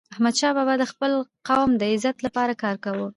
احمدشاه بابا د خپل قوم د عزت لپاره کار کاوه.